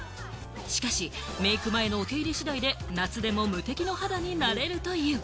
しかし、メイク前のお手入れ次第で夏でも無敵の肌になれるという。